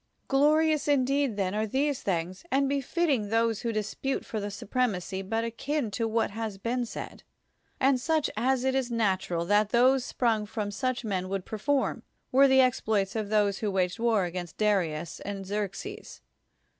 Glorious indeed, then, are these things, and be fitting those who dispute for the supremacy, but akin to what has been said, and such as it is natu ral that those sprung from such men would per form, were the exploits of those who waged war against Darius and Xerxes.